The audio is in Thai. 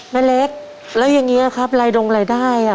แม่เล็กแล้วยังไงครับรายดงรายได้